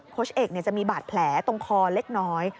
เอกจะมีบาดแผลตรงคอเล็กน้อย